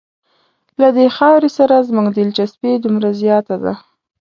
له دې خاورې سره زموږ دلچسپي دومره زیاته ده.